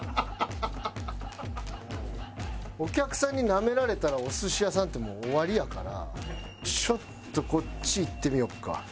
お客さんになめられたらお寿司屋さんってもう終わりやからちょっとこっちいってみようか？